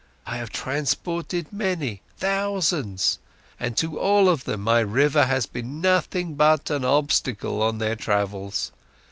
I have transported many, thousands; and to all of them, my river has been nothing but an obstacle on their travels.